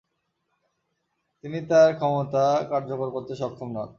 তিনি তার ক্ষমতা কার্যকর করতে সক্ষম হন।